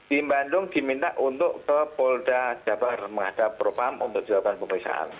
di bandung diminta untuk ke polda jabar menghadap propam untuk dilakukan pemeriksaan